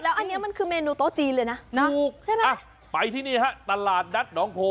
อันนี้มันคือเมนูโต๊ะจีนเลยนะถูกใช่ไหมอ่ะไปที่นี่ฮะตลาดนัดหนองโพ